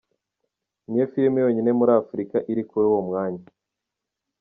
Niyo film yonyine muri Afurika iri kuri uwo mwanya.